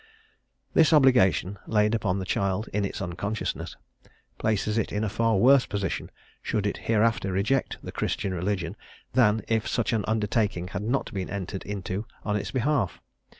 This obligation, laid upon the child in its unconsciousness, places it in a far worse position, should it hereafter reject the Christian religion, than if such an undertaking had not been entered into on its behalf.